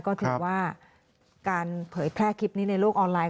ก็ถือว่าการเผยแพร่คลิปนี้ในโลกออนไลน